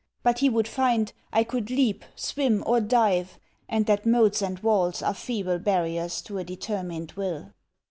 But he would find, I could leap, swim, or dive; and that moats and walls are feeble barriers to a determined will.'